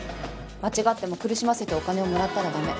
間違っても苦しませてお金をもらったらだめ。